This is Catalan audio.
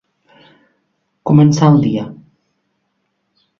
Començar el dia.